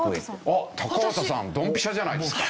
あっ高畑さんドンピシャじゃないですか。